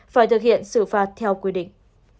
phải thực hiện xử phạt theo quy định